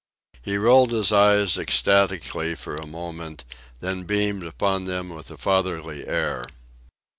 He rolled his eyes ecstatically for a moment, then beamed upon them with a fatherly air.